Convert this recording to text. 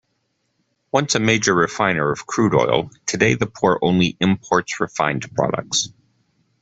Once a major refiner of crude oil, today the port only imports refined products.